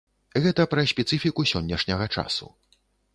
Гэта пра спецыфіку сённяшняга часу.